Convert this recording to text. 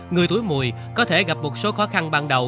người túi mùi có thể gặp một số khó khăn ban đầu